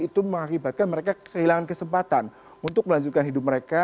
itu mengakibatkan mereka kehilangan kesempatan untuk melanjutkan hidup mereka